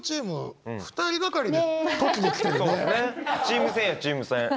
チーム戦やチーム戦！